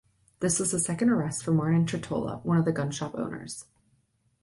This was the second arrest for Martin Tretola, one of the gunshop owners.